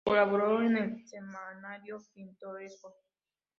Colaboró en el "Semanario Pintoresco".